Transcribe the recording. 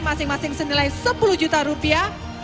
masing masing senilai sepuluh juta rupiah